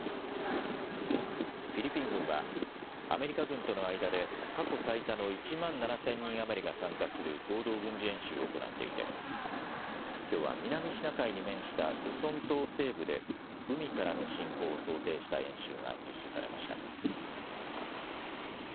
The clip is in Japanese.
フィリピン軍はアメリカ軍との間で過去最多の１万７０００人余りが参加する合同軍事演習を行っていてきょうは南シナ海に面したルソン島西部で海からの侵攻を想定した演習が実施されました。